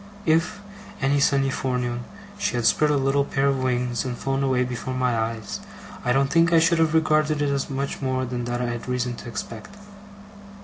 If, any sunny forenoon, she had spread a little pair of wings and flown away before my eyes, I don't think I should have regarded it as much more than I had had reason to expect.